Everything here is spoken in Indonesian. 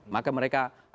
maka mereka berubah